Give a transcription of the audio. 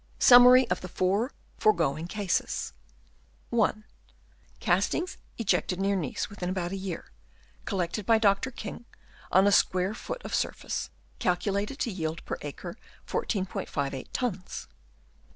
Summary of the four foregoing Cases. (I.) Castings ejected near Nice within about a year, collected by Dr. King on a square foot of surface, calculated to yield per acre 14*58 tons.